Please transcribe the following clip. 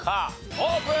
オープン。